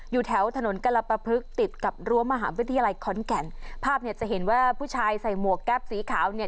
อยู่แถวถนนกรปภึกติดกับรั้วมหาวิทยาลัยขอนแก่นภาพเนี่ยจะเห็นว่าผู้ชายใส่หมวกแก๊ปสีขาวเนี่ย